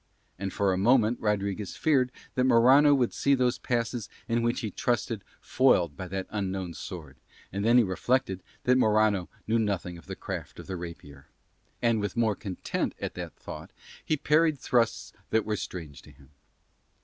And for a moment Rodriguez feared that Morano would see those passes in which he trusted foiled by that unknown sword, and then he reflected that Morano knew nothing of the craft of the rapier, and with more content at that thought he parried thrusts that were strange to him.